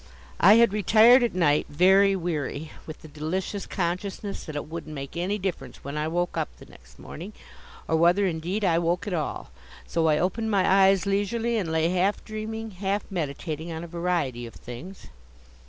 I had retired at night, very weary, with the delicious consciousness that it wouldn't make any difference when I woke up the next morning, or whether, indeed, I woke at all. So I opened my eyes leisurely and lay half dreaming, half meditating on a variety of things.